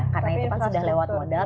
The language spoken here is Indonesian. karena itu kan sudah lewat modal